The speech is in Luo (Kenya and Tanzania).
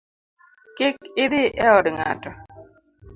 Kik idhi e od ng’ato